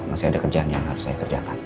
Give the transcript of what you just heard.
masih ada kerjaan yang harus saya kerjakan